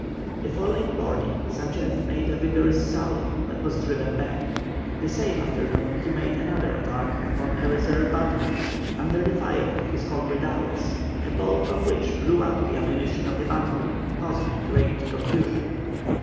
The following morning Sanchez made a vigorous sally but was driven back. The same afternoon he made another attack upon a reserve battery, under the fire of his own redoubts, a ball from which blew up the ammunition of the battery, causing great confusion.